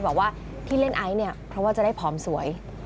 บอกว่าที่เล่นไอซ์เนี่ยเพราะว่าจะได้ผอมสวย